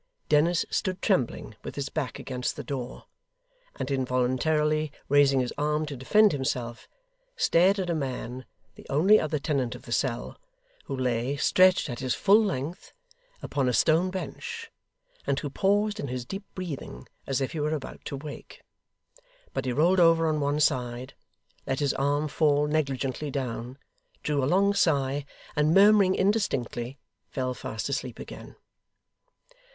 Dennis stood trembling with his back against the door, and involuntarily raising his arm to defend himself, stared at a man, the only other tenant of the cell, who lay, stretched at his full length, upon a stone bench, and who paused in his deep breathing as if he were about to wake. But he rolled over on one side, let his arm fall negligently down, drew a long sigh, and murmuring indistinctly, fell fast asleep again.